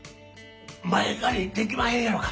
前借りできまへんやろか？